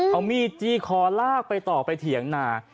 เอามีดจี้คอลากไปต่อไปเถียงนา